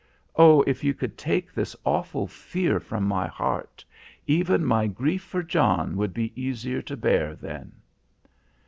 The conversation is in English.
Oh, if you could take this awful fear from my heart! Even my grief for John would be easier to bear then."